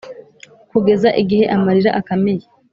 Kugeza igihe amarira akamiye